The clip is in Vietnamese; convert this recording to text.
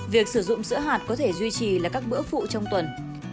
việc sử dụng sữa hạt có thể duy trì là các bữa phụ trong tuần